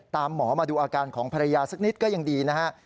หมอมาดูอาการของภรรยาสักนิดก็ยังดีนะฮะ